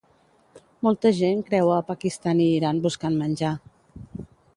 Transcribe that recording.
Molta gent creua a Pakistan i Iran buscant menjar.